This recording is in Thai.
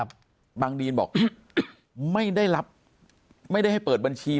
ปากกับภาคภูมิ